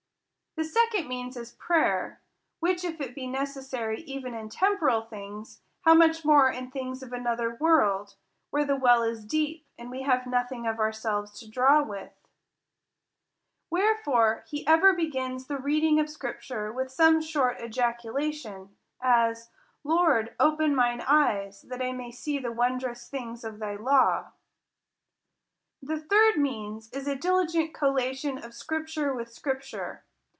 — The second means is prayer ; which, if it be neces sary even in temporal things, how much more in things of another world, where the well is deep, and we have nothing of ourselves to draw with ? Wherefore he ever begins the reading of the scripture with some short ejaculation ; as. Lord, open mine eyes, that I may see the wondrous things of thy law. — The third means is A DILIGENT COLLATION of scHpturc with scripture.